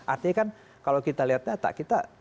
artinya kan kalau kita lihat data kita